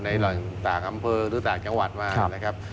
ต่างอำเภอหรือต่างจังหวัดมานะครับ